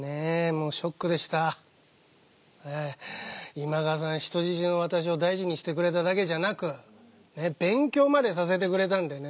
今川さん人質の私を大事にしてくれただけじゃなく勉強までさせてくれたんでね